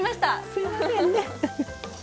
すいませんね。